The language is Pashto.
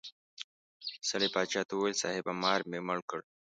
سړي باچا ته وویل صاحبه مار مې مړ کړ.